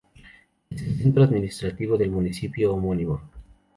Es el centro administrativo del municipio homónimo.